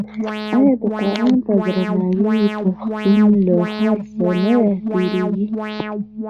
آیا د قران په درناوي پښتون له هر څه نه تیریږي؟